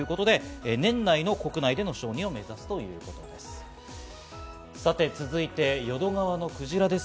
年内の国内での承認を目指すということです。